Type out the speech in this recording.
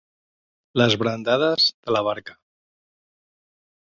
Les brandades de la barca.